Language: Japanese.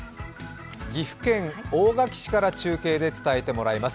岐阜県大垣市から中継で伝えてもらいます。